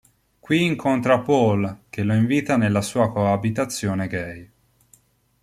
Qui incontra Paul che lo invita nella sua coabitazione gay.